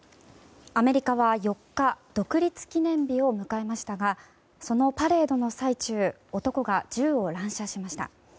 アメリカは４日独立記念日を迎えましたがそのパレードの最中男が銃を乱射しました。